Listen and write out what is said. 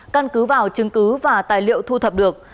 căn cứ vào chứng cứ và tài liệu thu thập được